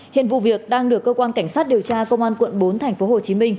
hiện vụ việc đang được cơ quan cảnh sát điều tra công an quận bốn tp hcm